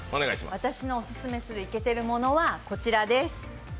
私のオススメするイケてるものはこちらです。